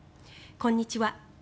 こんにちは。